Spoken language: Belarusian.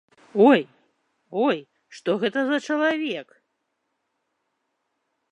Ой, ой, што гэта за чалавек?